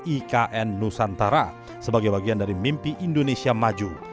ikn nusantara sebagai bagian dari mimpi indonesia maju